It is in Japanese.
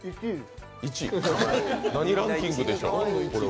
何ランキングでしょう？